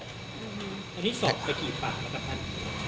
อันนี้สอบไปกี่ฝั่งครับท่าน